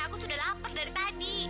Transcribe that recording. aku sudah lapar dari tadi